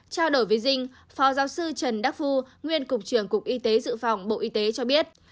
trao đổi với dinh phó giáo sư trần đắc phu nguyên cục trưởng cục y tế dự phòng bộ y tế cho biết